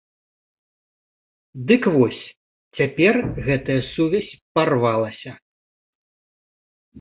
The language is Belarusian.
Дык вось, цяпер гэтая сувязь парвалася.